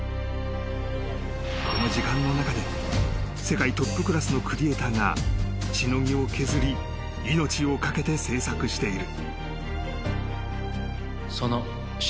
［この時間の中で世界トップクラスのクリエーターがしのぎを削り命を懸けて制作している］